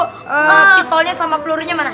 pistolnya sama pelurunya mana